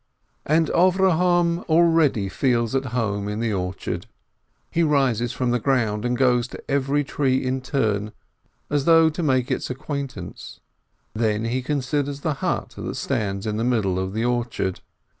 And Avrohom already feels at home in the orchard. He rises from the ground, and goes to every tree in turn, as though to make its acquaintance. Then he con siders the hut that stands in the middle of the orchard.